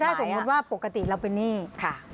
ถ้าสมมุติว่าปกติเราเป็นหนี้ค่ะ